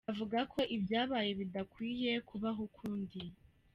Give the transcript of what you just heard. Avuga ko ibyabaye bidakwiye kubaho ukundi.